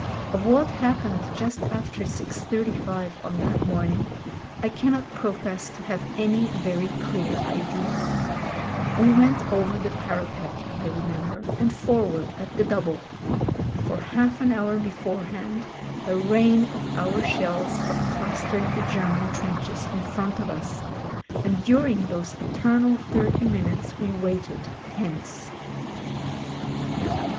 Of what happened just after 6.35 on that morning I cannot profess to have any very clear idea. We went over the parapet I re member, and forward at the double. For half an hour beforehand a rain of our shells had plastered the Ger man trenches in front of us, and during those eternal thirty minutes we waited tense.